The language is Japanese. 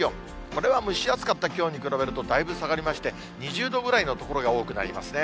これは蒸し暑かったきょうに比べると、だいぶ下がりまして、２０度ぐらいの所が多くなりますね。